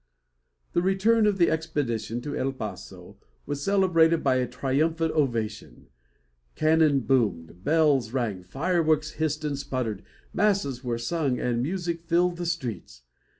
The return of the expedition to El Paso was celebrated by a triumphant ovation. Cannon boomed, bells rang, fireworks hissed and sputtered, masses were sung, and music filled the streets.